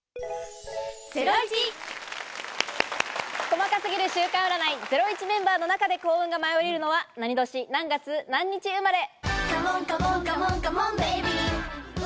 細かすぎる週間占い『ゼロイチ』メンバーの中で幸運が舞い降りるのは、何年、何月、何日生まれ？